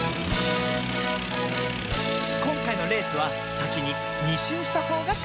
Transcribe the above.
こんかいのレースはさきに２しゅうしたほうがかち。